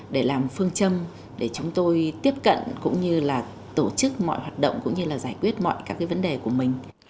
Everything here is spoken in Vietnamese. để làm phương châm để chúng tôi tiếp cận cũng như là tổ chức mọi hoạt động cũng như là giải quyết mọi các cái vấn đề của mình